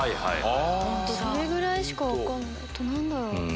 それぐらいしか分かんないあと何だろう？